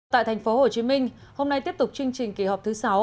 tại thành phố hồ chí minh hôm nay tiếp tục chương trình kỳ họp thứ sáu